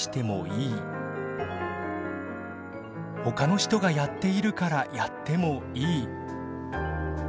ほかの人がやっているからやってもいい。